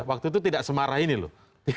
waktu itu tidak semarah ini loh